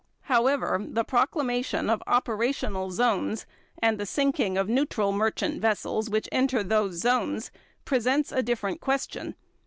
However, the proclamation of operational zones and the sinking of neutral merchant vessels which enter those zones presents a different question.